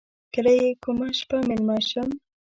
کله یې کومه شپه میلمه شم.